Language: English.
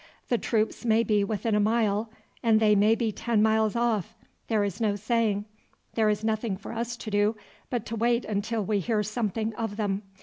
The troops may be within a mile, and they may be ten miles off; there is no saying. There is nothing for us to do but to wait until we hear something of them.